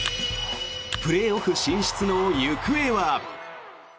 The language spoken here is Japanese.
プレーオフ進出の行方は？